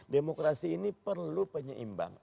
demokrasi ini perlu penyeimbang